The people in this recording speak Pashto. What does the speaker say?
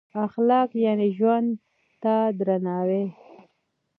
اخلاق یعنې ژوند ته درناوی.